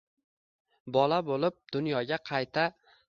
bola boʼlib dunyoga qayta